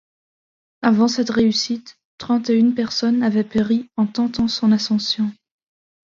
Avant cette réussite, trente et une personnes avaient péri en tentant son ascension.